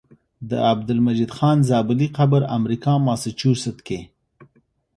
د عبدالمجيد خان زابلي قبر امريکا ماسوچست کي